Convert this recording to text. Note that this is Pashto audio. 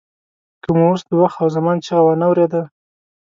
که مو اوس د وخت او زمان چیغه وانه ورېده.